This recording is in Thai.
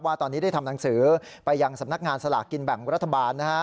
ตอนนี้ได้ทำหนังสือไปยังสำนักงานสลากกินแบ่งรัฐบาลนะฮะ